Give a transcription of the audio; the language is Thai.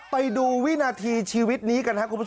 ไปดูวินาทีชีวิตนี้กันครับ